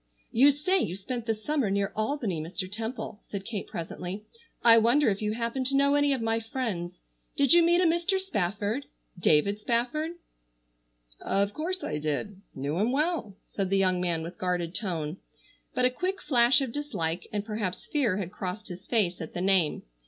"You say you spent the summer near Albany, Mr. Temple," said Kate presently, "I wonder if you happen to know any of my friends. Did you meet a Mr. Spafford? David Spafford?" "Of course I did, knew him well," said the young man with guarded tone. But a quick flash of dislike, and perhaps fear had crossed his face at the name.